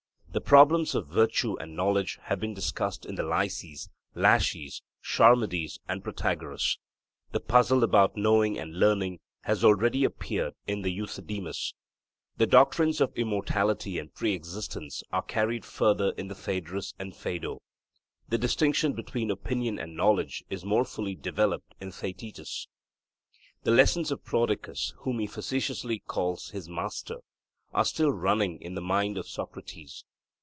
The problems of virtue and knowledge have been discussed in the Lysis, Laches, Charmides, and Protagoras; the puzzle about knowing and learning has already appeared in the Euthydemus. The doctrines of immortality and pre existence are carried further in the Phaedrus and Phaedo; the distinction between opinion and knowledge is more fully developed in the Theaetetus. The lessons of Prodicus, whom he facetiously calls his master, are still running in the mind of Socrates.